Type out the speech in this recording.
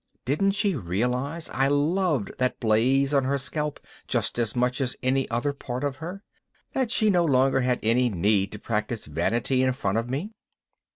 Didn't she realize I loved that blaze on her scalp just as much as any other part of her, that she no longer had any need to practice vanity in front of me?